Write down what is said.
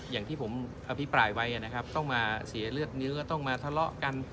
อย่างที่ผมอภิปรายไว้นะครับต้องมาเสียเลือดเนื้อต้องมาทะเลาะกัน